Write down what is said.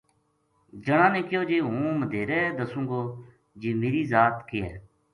جنا نے کہیو جی ہوں مدیہرے دسوں گو جی میری ذات کے ہے